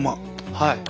はい。